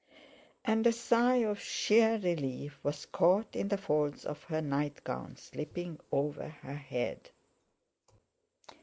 And a sigh of sheer relief was caught in the folds of her nightgown slipping over her head.